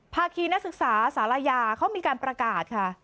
ภาคีนักศึกษาสารยาเขามีการประกาศค่ะ